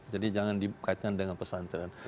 jadi jangan dikaitkan dengan pesantren